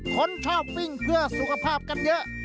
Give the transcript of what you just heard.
เกิดไม่ทันอ่ะ